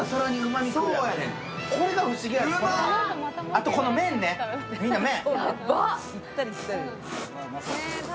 あと、この麺ね、みんな、麺。